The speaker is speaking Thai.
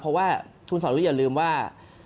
เพราะว่าคุณสรยุทธ์อย่าลืมว่า